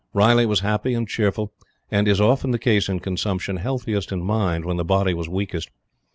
Riley was happy and cheerful, and, as is often the case in consumption, healthiest in mind when the body was weakest.